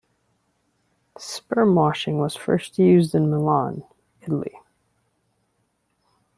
Sperm washing was first used in Milan, Italy.